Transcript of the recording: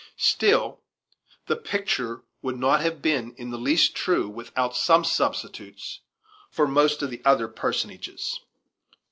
Still, the picture would not have been in the least true without some substitutes for most of the other personages.